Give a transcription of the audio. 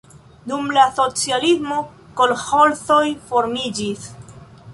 Dum la socialismo kolĥozoj formiĝis.